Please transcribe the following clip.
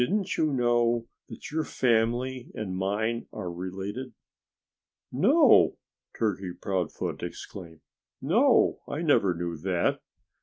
Didn't you know that your family and mine are related?" "No!" Turkey Proudfoot exclaimed. "No! I never knew it."